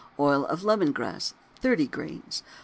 Oil of lemon grass 30 grains.